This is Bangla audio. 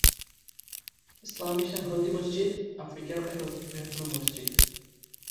ইসলামী সংহতি মসজিদ আফ্রিকার একক বৃহত্তম মসজিদ।